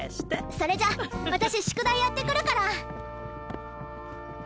それじゃ私宿題やって来るから。